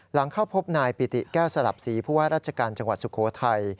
หลังเข้าพบนายปิติแก้วสลับศรีผู้ว่าราชการจังหวัดสุโขทัย